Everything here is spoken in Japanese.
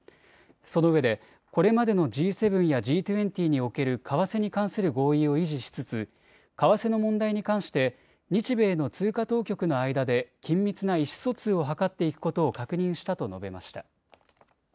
そのうえでこれまでのＧ７やＧ２０における為替に関する合意を維持しつつ為替の問題に関して日米の通貨当局の間で緊密な意思疎通を図っていくことを確認したと述べました。